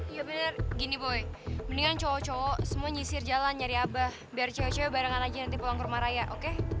iya bener gini boy mendingan cowok cowok semua nyisir jalan nyari abah biar cewek cewek barengan aja nanti pulang ke rumah raya oke